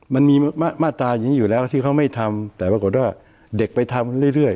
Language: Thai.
มันมีมาตราอย่างนี้อยู่แล้วที่เขาไม่ทำแต่ปรากฏว่าเด็กไปทำเรื่อย